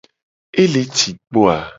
Ele ci kpo a?